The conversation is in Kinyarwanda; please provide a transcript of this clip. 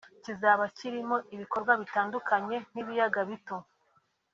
Kizaba kirimo ibikorwa bitandukanye nk’ibiyaga bito